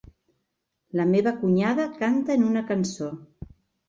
La meva cunyada canta en una cançó.